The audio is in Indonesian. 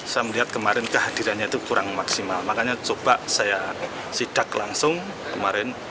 saya melihat kemarin kehadirannya itu kurang maksimal makanya coba saya sidak langsung kemarin